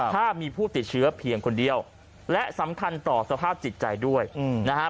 ถ้ามีผู้ติดเชื้อเพียงคนเดียวและสำคัญต่อสภาพจิตใจด้วยนะครับ